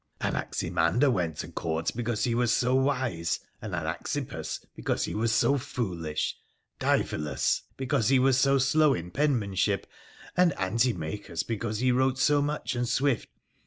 Anaximander went to Court because he was so wise, and Anaxippus because he was so foolish ; Diphilus because he was so slow in penmanship, and Antirnachus because he wrote so much and swift.